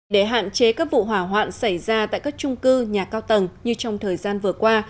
để hạn chế các vụ hỏa hoạn xảy ra tại các trung cư nhà cao tầng như trong thời gian vừa qua